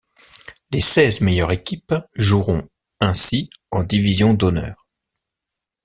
Les seize meilleures équipes joueront ainsi en division d'Honneur.